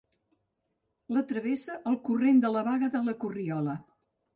La travessa el torrent de la Baga de la Corriola.